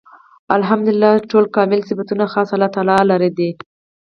الحمد لله . ټول کامل صفتونه خاص الله تعالی لره دی